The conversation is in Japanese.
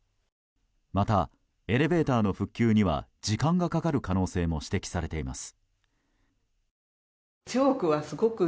また、エレベーターの復旧には時間がかかる可能性も指摘されています。